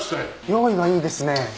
用意がいいですね。